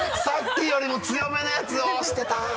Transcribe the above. さっきよりも強めのやつをしてた。